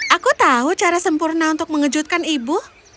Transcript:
aku tahu cara sempurna untuk mengejutkan ibu